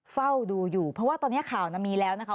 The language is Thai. เฝ้าดูอยู่เพราะว่าตอนนี้ข่าวมีแล้วนะคะ